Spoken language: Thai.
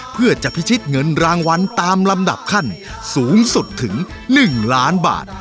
เพื่อจะพิชิตเงินรางวัลตามลำดับขั้นสูงสุดถึง๑ล้านบาท